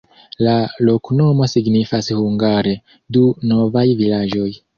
La loknomo signifas hungare: Du-novaj-vilaĝoj.